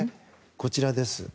こちらです。